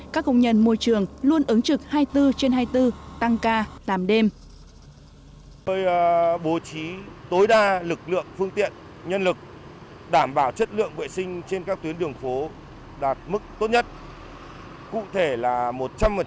các công nhân môi trường luôn ứng trực hai mươi bốn trên hai mươi bốn tăng ca tám đêm